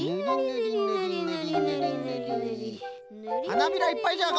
はなびらいっぱいじゃ。